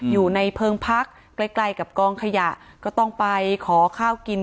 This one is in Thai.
อยู่ในเพลิงพักใกล้กับกองขยะก็ต้องไปขอข้าวกิน